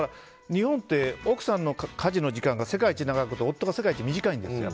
日本って、奥さんの家事の時間が世界一長くて夫が世界一短いんですよ。